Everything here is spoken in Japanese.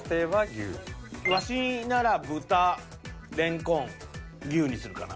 ワシなら豚レンコン牛にするかな。